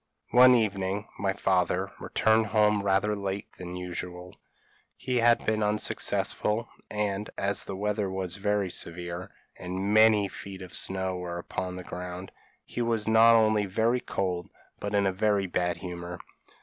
p> "One evening my father returned home rather later than usual; he had been unsuccessful, and, as the weather was very severe, and many feet of snow were upon the ground, he was not only very cold, but in a very bad humour.